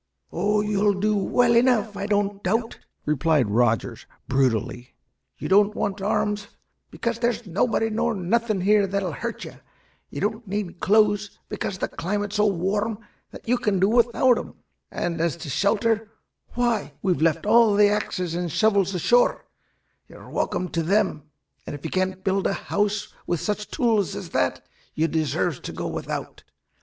"Oh, you'll do well enough, I don't doubt," replied Rogers, brutally. "You don't want arms, because there's nobody nor nothing here that'll hurt you; you don't need clothes, because the climate's so warm that you can do without 'em; and, as to a shelter, why, we've left all the axes and shovels ashore; you're welcome to them, and if you can't build a house with such tools as that, you deserves to go without.